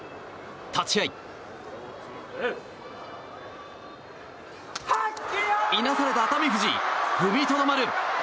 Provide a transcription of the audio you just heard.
立ち合い、いなされた熱海富士踏みとどまる！